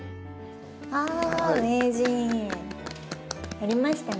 やりましたね。